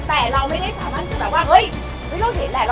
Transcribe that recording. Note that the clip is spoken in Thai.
แต่เราไม่ได้สถาเป็นที่แบบว่าเอ้ยไม่ต้องเห็นแหละ